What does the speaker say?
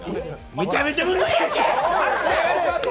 めちゃめちゃムズいやんけ！